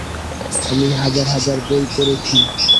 আমি হাজার হাজার বই পড়েছি।